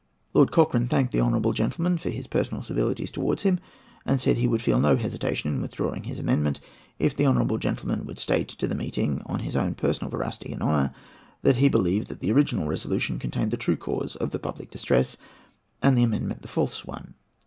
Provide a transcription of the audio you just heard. Lord Cochrane thanked the honourable gentleman for his personal civilities towards him, and said that he would feel no hesitation in withdrawing his amendment if the honourable gentleman would state to the meeting, on his own personal veracity and honour, that he believed that the original resolution contained the true cause of the public distress, and the amendment the false one.